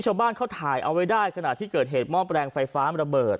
ชาวบ้านเขาถ่ายเอาไว้ได้ขณะที่เกิดเหตุหม้อแปลงไฟฟ้าระเบิด